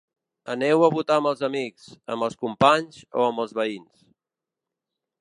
Aneu a votar amb els amics, amb els companys o amb els veïns.